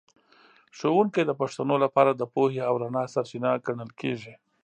ښوونکی د پښتنو لپاره د پوهې او رڼا سرچینه ګڼل کېږي.